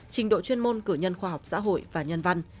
trình độ chuyên môn cử nhân khoa học xã hội và nhân văn